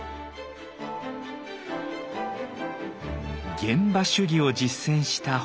現場主義を実践した北斎。